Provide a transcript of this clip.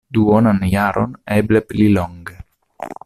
Duonan jaron, eble pli longe.